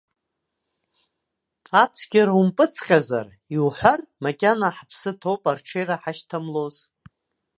Ацәгьара умпыҵҟьазар, иуҳәар, макьана ҳаԥсы ҭоуп, арҽеира ҳашьҭамлоз.